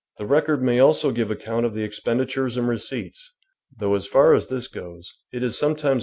The record may also give account of the expendi tures and receipts, though, as far as this goes, it is sometimes m.